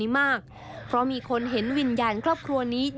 ได้นำเรื่องราวมาแชร์ในโลกโซเชียลจึงเกิดเป็นประเด็นอีกครั้ง